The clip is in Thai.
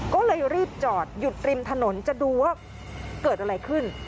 ก็เลยรีบจอดหยุดริมถนนจะดูว่าเกิดอะไรขึ้น